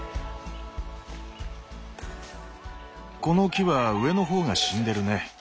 この木は上の方が死んでるね。